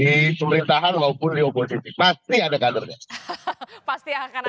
baik itu di pemerintahan maupun di opositi pasti ada kadernya